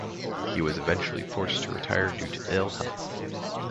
He was eventually forced to retire due to ill health.